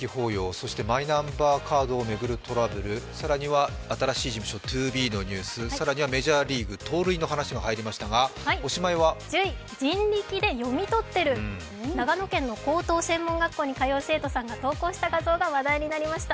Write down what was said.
そしてマイナンバーカードを巡るトラブル、更には新しい事務所、ＴＯＢＥのニュース、更にはメジャーリーグ盗塁の話が入りましたが１０位、人力で読み取ってる長野県の高等専門学校に通う生徒さんが投稿したものが話題になりました。